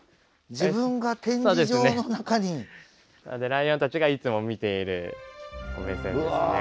ライオンたちがいつも見ている目線ですね。